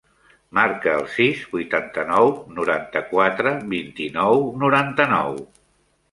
Marca el sis, vuitanta-nou, noranta-quatre, vint-i-nou, noranta-nou.